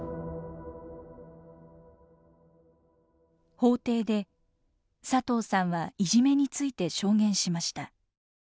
法廷で佐藤さんはいじめについて証言しました。